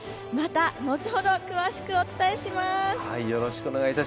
また後ほど詳しくお伝えします。